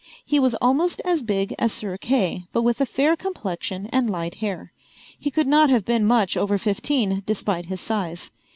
He was almost as big as Sir Kay, but with a fair complexion and light hair. He could not have been much over fifteen, despite his size.